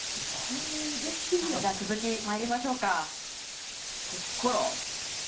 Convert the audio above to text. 続き、参りましょうか。